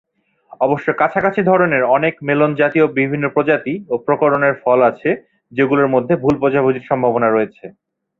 অবশ্য কাছাকাছি ধরনের অনেক মেলন জাতীয় বিভিন্ন প্রজাতি ও প্রকরণের ফল আছে যেগুলোর মধ্যে ভুল বোঝাবুঝির সম্ভাবনা রয়েছে।